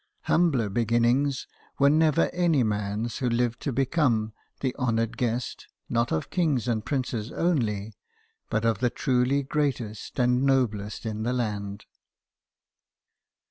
Humbler beginnings were never any man's who lived to become the honoured guest, not of kings GEORGE STEPHENSON, ENGINE MAN. 33 and. princes only, but of the truly greatest and noblest in the land.